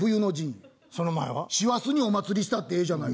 「師走にお祭りしたってええじゃないか！」。